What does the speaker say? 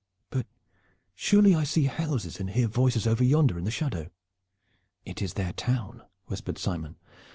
But surely I see houses and hear voices over yonder in the shadow?" "It is their town," whispered Simon.